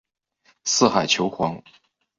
四海求凰。